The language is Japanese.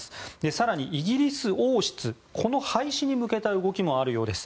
更にイギリス王室この廃止に向けた動きもあるようです。